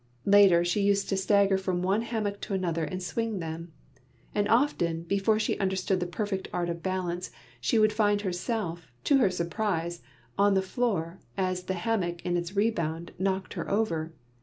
Later, she used to stagger from one hammock to another and swing them. And often, before she understood the perfect art of balance, she would find herself, to her surprise, on the floor, as the hammock in its rebound knocked her over.